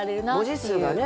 文字数がね